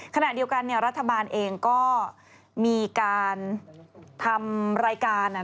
ขณะเดียวกันเนี่ยรัฐบาลเองก็มีการทำรายการ